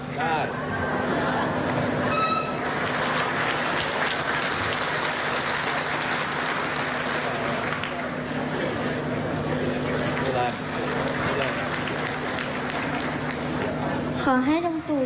ขอให้ลุงตูสุขภาพแข็งแรง